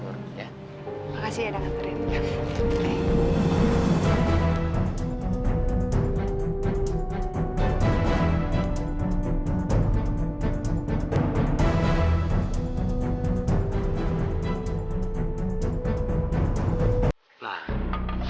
makasih ya dengan terima kasih